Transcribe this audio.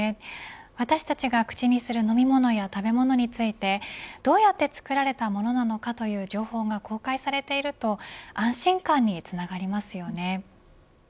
私たちが口にする飲み物や食べ物についてどうやって作られたものなのかという情報が公開されていると安心感につながりますよね。